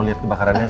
saya ke depan aja ya